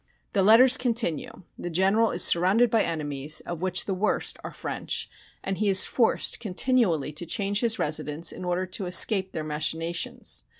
The letters continue: The General is surrounded by enemies, of which the worst are French, and he is forced continually to change his residence in order to escape their machinations.